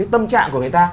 tâm trạng của người ta